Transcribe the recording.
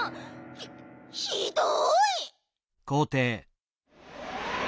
ひっひどい。